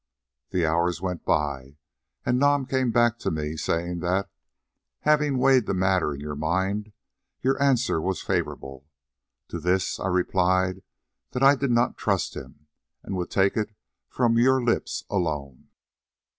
The hours went by, and Nam came back to me, saying that, having weighed the matter in your mind, your answer was favourable. To this I replied that I did not trust him, and would take it from your lips alone.